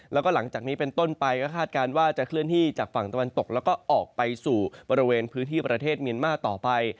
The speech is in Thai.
แล้วก็หลังจากนี้เป็นต้นไปก็คาดการณ์ว่าจะเคลื่อนที่จากฝั่งตะวันตกแล้วก็ออกไปสู่บริเวณพื้นที่ประเทศเมียนมาร์ต่อไป